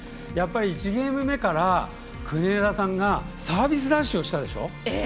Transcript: １ゲーム目から国枝さんがサービスダッシュをしたでしょ。